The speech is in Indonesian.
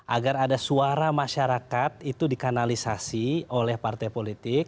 agar ada suara masyarakat itu dikanalisasi oleh partai politik